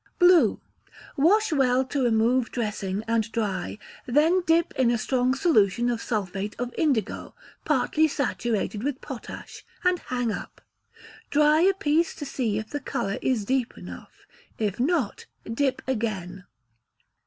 Blue. Wash well to remove dressing, and dry; then dip in a strong solution of sulphate of indigo partly saturated with potash and hang up. Dry a piece to see if the colour is deep enough; if not dip again.